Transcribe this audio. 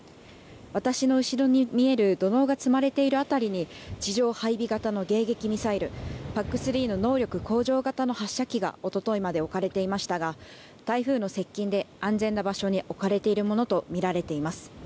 私の後ろに見える土のうが積まれている辺りに地上配備型の迎撃ミサイル、ＰＡＣ３の能力向上型の発射機がおとといまで置かれていましたが台風の接近で安全な場所に置かれているものと見られています。